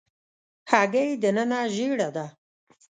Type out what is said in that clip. هګۍ دننه ژېړه ده.